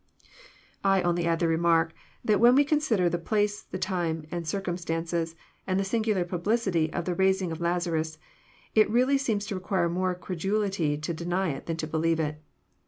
— I only add the remark, that when we consider the place, the time, the circumstances, and the singular publicity, of the raising of Lazarus, it really seems to require more credulity to deny it than to believe it.